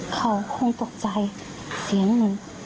เขาก็คงตกใจเสียงหนู